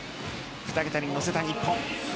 ２桁に乗せた日本。